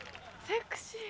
セクシー。